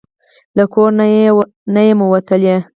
له کور نه یمه وتلې